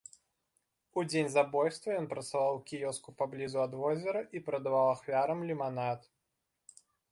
У дзень забойства ён працаваў у кіёску паблізу ад возера і прадаў ахвярам ліманад.